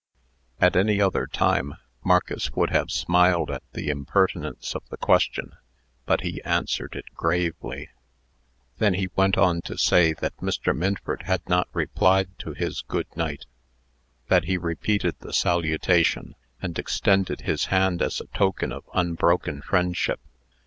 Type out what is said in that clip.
At any other time, Marcus would have smiled at the impertinence of the question, but he answered it gravely. He then went on to say, that Mr. Minford had not replied to his "good night." That he repeated the salutation, and extended his hand as a token of unbroken friendship.